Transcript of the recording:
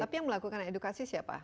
tapi yang melakukan edukasi siapa